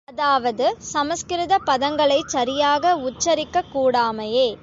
அதாவது சம்ஸ்கிருத பதங்களைச் சரியாக உச்சரிக்கக் கூடாமையே!